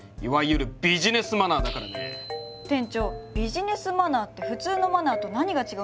店長ビジネスマナーって普通のマナーと何が違うんですか？